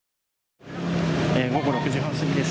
午後６時半過ぎです。